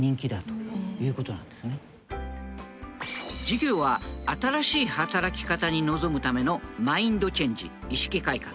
授業は新しい働き方に臨むためのマインドチェンジ意識改革。